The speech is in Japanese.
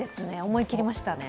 思い切りましたね。